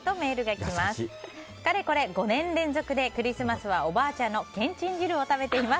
かれこれ５年連続でクリスマスはおばあちゃんのけんちん汁を食べています。